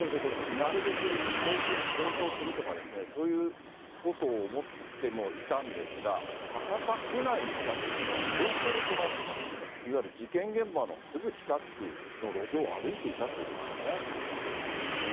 なるべく遠くに逃走するとか、そういうことを思ってもいたんですが、博多区内にいたということは、本当にいわゆる事件現場のすぐ近くの路上を歩いていたということですね。